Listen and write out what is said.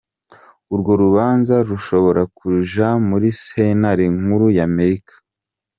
Urwo rubanza rushobora kuja muri sentare nkuru ya Amerika.